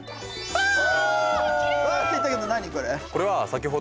ああ。